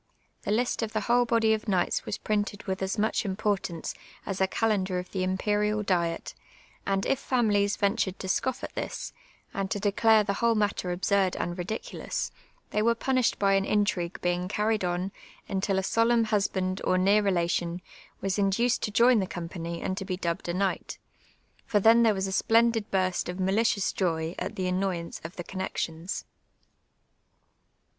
The list of the whole body of kni;^hts was printed with as much importance as a calendar of the Imperiid diet, and if families ventmvd to scoff at this, and to declare the whole matter absurd and ridicidous, they were punished by an intrip^ue beinp carried on until a solemn husband or neiu* relation was induced to join the company and to be dubbed a knij^^ht ; for then tlierc was a splendid burst of malicious joy at the amioyaiicc of the connexions.